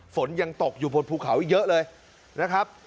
ฝนยังตกอยู่บนภูเขาอีกเยอะเลยนะครับ